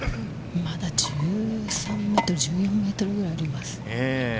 まだ１３ｍ、１４ｍくらいあります。